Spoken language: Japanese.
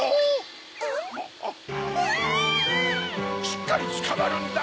しっかりつかまるんだ！